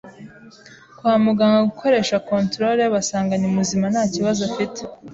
kwa muganga gukoresha controle basanga ni muzima nta kibazo afite